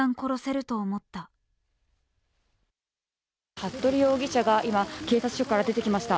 服部容疑者が今、警察署から出てきました。